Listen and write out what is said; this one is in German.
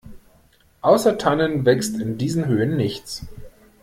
Außer Tannen wächst in diesen Höhen nichts.